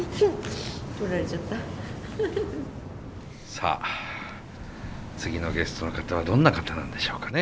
さあ次のゲストの方はどんな方なんでしょうかね。